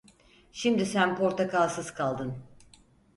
Şimdi sen portakalsız kaldın.